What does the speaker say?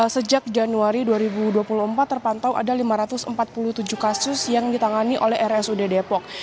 sejak januari dua ribu dua puluh empat terpantau ada lima ratus empat puluh tujuh kasus yang ditangani oleh rsud depok